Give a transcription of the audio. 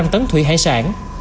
hai trăm linh tấn thủy hải sản